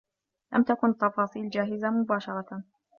لم تكن التفاصيل جاهزة مباشرة.